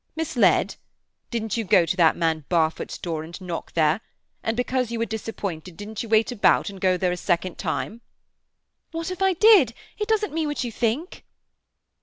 "Misled? Didn't you go to that man Barfoot's door and knock there? And because you were disappointed, didn't you wait about, and go there a second time?" "What if I did? It doesn't mean what you think."